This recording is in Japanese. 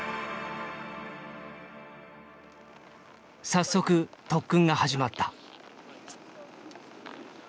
早速特訓が始まった。